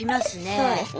そうですね。